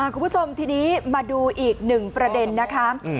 คุณผู้ชมทีนี้มาดูอีกหนึ่งประเด็นนะคะ